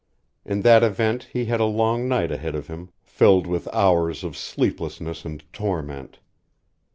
In that event he had a long night ahead of him, filled with hours of sleeplessness and torment.